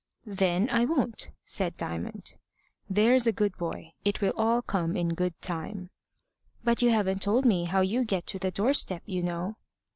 "Then I won't," said Diamond. "There's a good boy. It will all come in good time." "But you haven't told me how you get to the doorstep, you know."